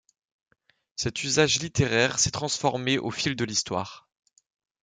Cet usage littéraire s'est transformé au fil de l'Histoire.